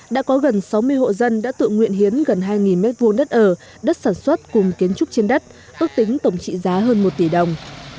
đã có gần sáu mươi hộ dân đã tự nguyện hiến gần hai m hai đất ở đất sản xuất cùng kiến trúc trên đất ước tính tổng trị giá hơn một tỷ đồng